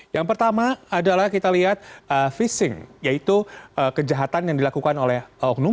yang pertama adalah kita lihat fishing yaitu kejahatan yang dilakukan oleh oknum